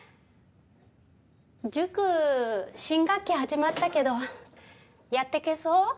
塾新学期始まったけどやってけそう？